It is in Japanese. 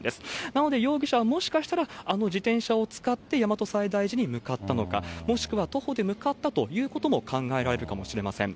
なので、容疑者はもしかしたら、あの自転車を使って大和西大寺に向かったのか、もしくは徒歩で向かったということも考えられるかもしれません。